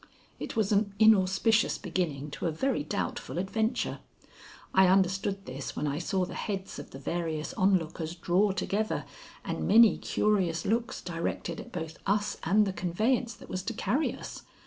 It was an inauspicious beginning to a very doubtful adventure. I understood this when I saw the heads of the various onlookers draw together and many curious looks directed at both us and the conveyance that was to carry us.